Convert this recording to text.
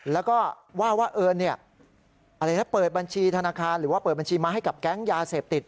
แล้วก็ว่าว่าเอิญเปิดบัญชีธนาคารหรือว่าเปิดบัญชีมาให้กับแก๊งยาเสพติด